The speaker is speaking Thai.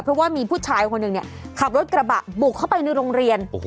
เพราะว่ามีผู้ชายคนหนึ่งเนี่ยขับรถกระบะบุกเข้าไปในโรงเรียน